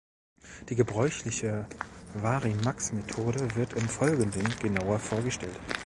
Die gebräuchliche Varimax-Methode wird im Folgenden genauer vorgestellt.